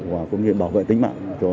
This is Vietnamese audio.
và cũng như bảo vệ tính mạng